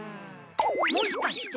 もしかして。